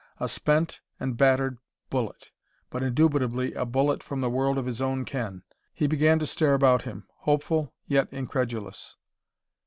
A spent and battered bullet, but indubitably a bullet from the world of his own ken. He began to stare about him, hopeful yet incredulous.